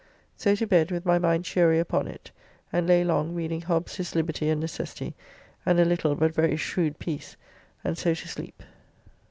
So to bed with my mind cheery upon it, and lay long reading "Hobbs his Liberty and Necessity," and a little but very shrewd piece, and so to sleep.